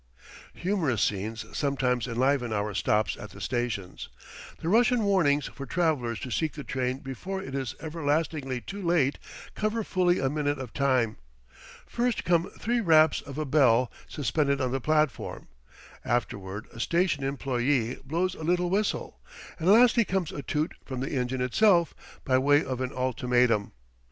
Humorous scenes sometimes enliven our stops at the stations. The Russian warnings for travellers to seek the train before it is everlastingly too late cover fully a minute of time. First come three raps of a bell suspended on the platform, afterward a station employe blows a little whistle, and lastly comes a toot from the engine itself, by way of an ultimatum.